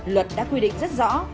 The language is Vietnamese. luật đã quy định rất rõ